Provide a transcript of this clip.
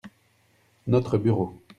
Notre bureau.